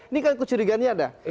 ini kan kecuriganya ada